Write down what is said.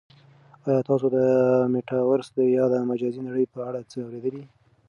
آیا تاسو د میټاورس یا د مجازی نړۍ په اړه څه اورېدلي؟